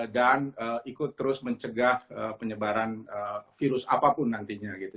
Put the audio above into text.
dan ikut terus mencegah penyebaran virus apapun nantinya